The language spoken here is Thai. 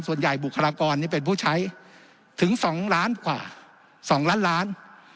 ส่วนใหญ่บุคลากรนี่เป็นผู้ใช้ถึงสองล้านกว่าสองล้านล้าน